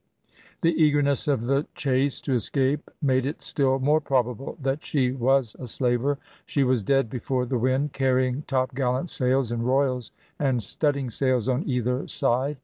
The eagerness of the chase to escape made it still more probable that she was a slaver. She was dead before the wind, carrying topgallant sails and royals, and studding sails on either side.